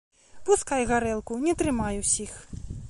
Пускай гарэлку, не трымай усіх.